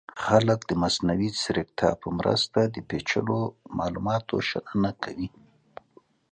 خلک د مصنوعي ځیرکتیا په مرسته د پیچلو معلوماتو شننه کوي.